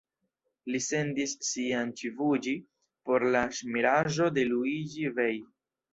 Li sendis sian _ĉibuĝi_ por la ŝmiraĵo de Luiĝi-Bej.